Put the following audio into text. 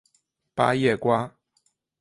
八叶瓜